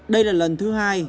đây là lần thứ hai